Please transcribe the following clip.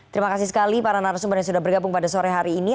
terima kasih sekali para narasumber yang sudah bergabung pada sore hari ini